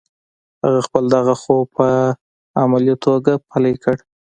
هغه خپل دغه خوب په عملي توګه پلی کړ